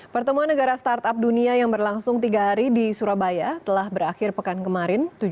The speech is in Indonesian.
pertemuan negara startup dunia yang berlangsung tiga hari di surabaya telah berakhir pekan kemarin